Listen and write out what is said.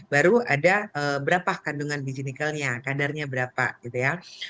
baru ada berapa kandungan biji nikelnya kadarnya berapa gitu ya